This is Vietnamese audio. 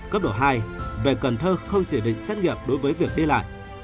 cấp độ hai về cần thơ không chỉ định xét nghiệm đối với việc đi lại